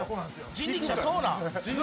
人力舎、そうなん？